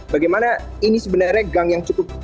bagaimana ini sebenarnya gang yang cukup